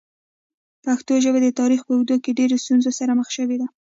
پښتو ژبه د تاریخ په اوږدو کې ډېرو ستونزو سره مخ شوې ده.